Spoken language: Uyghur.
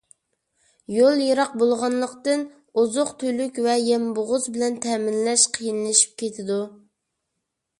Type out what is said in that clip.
يول يىراق بولغانلىقتىن، ئوزۇق-تۈلۈك ۋە يەم-بوغۇز بىلەن تەمىنلەش قىيىنلىشىپ كېتىدۇ.